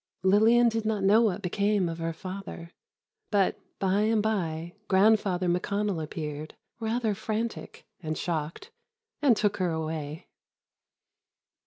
Lillian did not know what became of her father, but by and by Grandfather McConnell appeared, rather frantic, and shocked, and took her away.